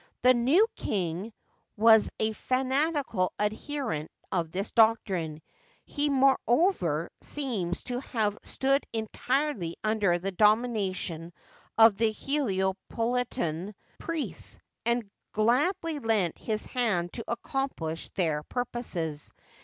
The new king was a fanatical adherent of this doctrine ; he, moreover, seems to have stood entirely under the domination of the Helio politan priests, and gladly lent his hand to accomplish their purposes.